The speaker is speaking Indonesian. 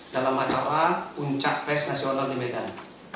dalam acara puncak pres nasional di medan